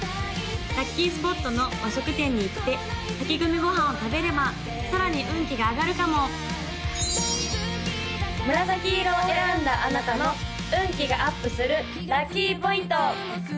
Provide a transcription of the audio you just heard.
ラッキースポットの和食店に行って炊き込みご飯を食べればさらに運気が上がるかも紫色を選んだあなたの運気がアップするラッキーポイント！